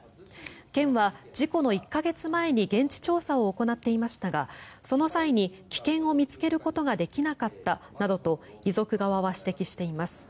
県は事故の１か月前に現地調査を行っていましたがその際に危険を見つけることができなかったなどと遺族側は指摘しています。